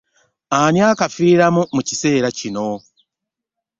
Ani akafiiramu mu kiseera kino?